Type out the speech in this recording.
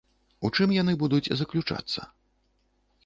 У чым яны будуць заключацца?